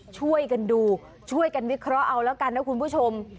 ช่วยกันดูช่วยกันวิเคราะห์เอาแล้วกันนะคุณผู้ชม